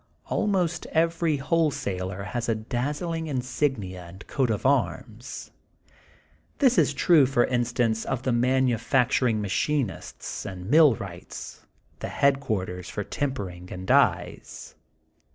Almost every wholesaler lias a dazzling insignia and coat of arms. This is true for instance of the manufacturing ma chinists and millwrights, the headquarters for tempering and dies.